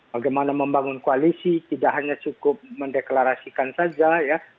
bagaimana membangun koalisi tidak hanya cukup mendeklarasikan saja ya